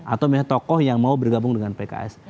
atau memang tokoh yang mau bergabung dengan pks